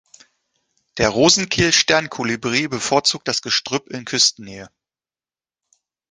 Der Rosenkehl-Sternkolibri bevorzugt das Gestrüpp in Küstennähe.